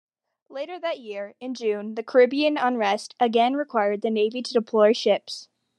Later that year, in June, Caribbean unrest again required the Navy to deploy ships.